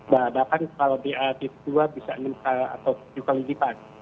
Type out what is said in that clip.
bahkan kalau br dua bisa mengekalkan atau lima kali lipat